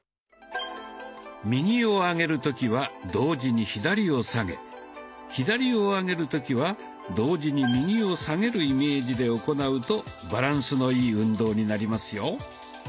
右を上げる時は同時に左を下げ左を上げる時は同時に右を下げるイメージで行うとバランスのいい運動になりますよ。